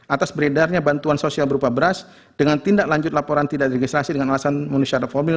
atas beredarnya bantuan sosial berupa beras dengan tindak lanjut laporan tidak registrasi dengan alasan manusia ada formil